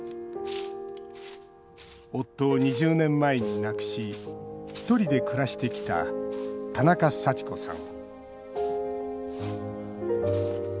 夫を２０年前に亡くしひとりで暮らしてきた田中幸子さん